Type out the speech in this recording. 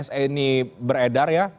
se ini beredar ya